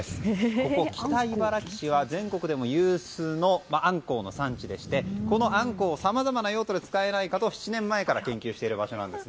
ここ北茨城市は全国でも有数のあんこうの産地でしてこのあんこうをさまざまな用途で使えないかと、７年前から研究している場所なんです。